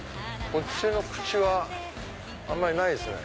こっちの口はあんまりないですね。